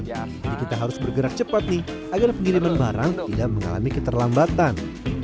jadi kita harus bergerak cepat nih agar pengiriman barang tidak mengalami keterlambatan